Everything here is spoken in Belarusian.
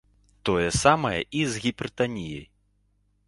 Тое самае і з гіпертаніяй.